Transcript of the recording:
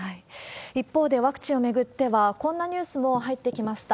一方で、ワクチンを巡ってはこんなニュースも入ってきました。